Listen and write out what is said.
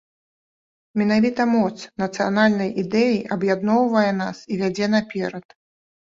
Менавіта моц нацыянальнай ідэі аб'ядноўвае нас і вядзе наперад.